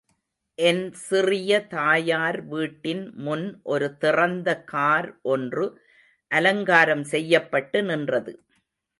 என் சிறிய தாயார் வீட்டின் முன் ஒரு திறந்த கார் ஒன்று அலங்காரம் செய்யப்பட்டு நின்றது.